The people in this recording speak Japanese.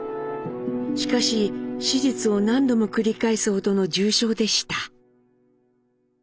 しかし手術を何度も繰り返すほどの重傷でした。